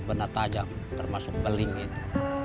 kena kena benda tajam termasuk beling itu